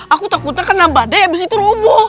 aku takutnya karena badai abis itu lobo